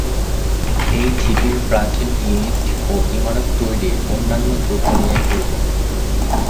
এই ঢিবির প্রাচীন ইট ও ইমারত তৈরির অন্যান্য দ্রব্য দিয়ে পরিপূর্ণ।